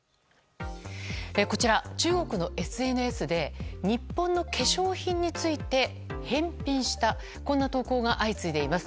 中国のＳＮＳで日本の化粧品について返品したこんな投稿が相次いでいます。